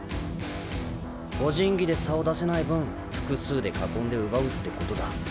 個人技で差を出せない分複数で囲んで奪うってことだ。